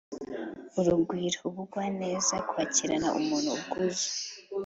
urugwiro: ubugwaneza, kwakirana umuntu ubwuzu,